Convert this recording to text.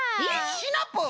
シナプーも！？